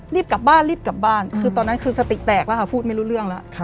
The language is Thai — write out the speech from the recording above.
รีบกลับบ้านรีบกลับบ้านคือตอนนั้นคือสติแตกแล้วค่ะพูดไม่รู้เรื่องแล้ว